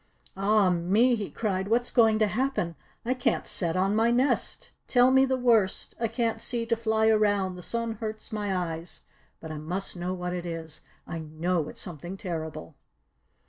"Ah, me!" he cried. "What's going to happen! I can't set on my nest! Tell me the worst! I can't see to fly around. The sun hurts my eyes. But I must know what it is. I know it's something terrible!"